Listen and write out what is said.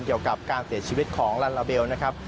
เกี่ยวกับการเสียชีวิตของลัลลาเบลนะครับ